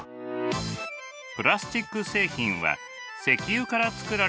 プラスチック製品は石油から作られた樹脂が原料です。